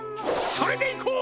それでいこう！